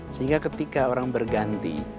sehingga ketika orang berganti